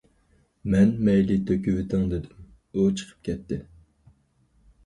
مەن‹‹ مەيلى تۆكۈۋېتىڭ›› دېدىم، ئۇ چىقىپ كەتتى.